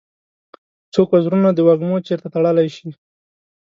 څوک وزرونه د وږمو چیري تړلای شي؟